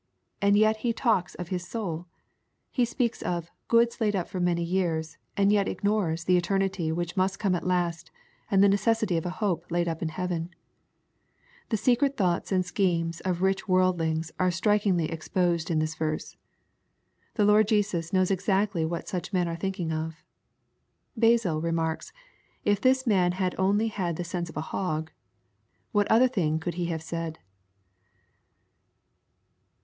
And yet he talks of his "soull" He speaks of "gooda laid up for many years," and yet ignores the eternity which must come at last, and the necessity of a hope laid up in heaven I The secret thoughts and schemes of rich worldlings are strik ingly exposed in this verse. The Lord Jesus knows exactly what such men are thinking of. Basil remarks, '^ If this man had only had the sense of a hog, what other thing could he have said